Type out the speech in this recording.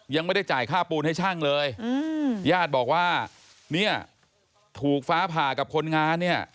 ยังไม่ได้จ่ายค่าปูนให้ช่างเลยญาติบอกว่าเนี่ยถูกฟ้าผ่ากับคนงานเนี่ย